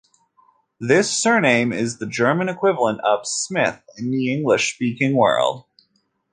This surname is the German equivalent of "Smith" in the English-speaking world.